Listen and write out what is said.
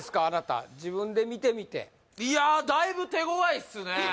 あなた自分で見てみていやだいぶ手ごわいっすね